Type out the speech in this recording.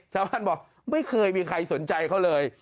ชาวบ้านบอกไม่เคยมีใครสนใจเขาเลย